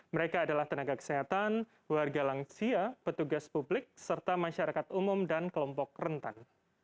mereka adalah tenaga kesehatan warga lansia petugas publik serta masyarakat umum dan kelompok rentan